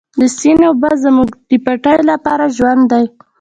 د سیند اوبه زموږ د پټیو لپاره ژوند دی.